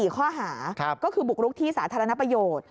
๔ข้อหาก็คือบุกรุกที่สาธารณประโยชน์